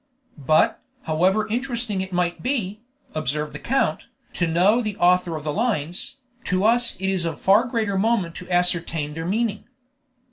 "But, however interesting it might be," observed the count, "to know the author of the lines, to us it is of far greater moment to ascertain their meaning."